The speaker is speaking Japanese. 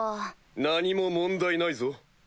何も問題ないぞ。